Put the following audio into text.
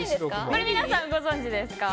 これ、皆さんご存知ですか？